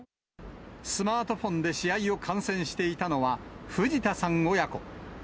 スマートフォンで試合を観戦していたのは藤田さん親子。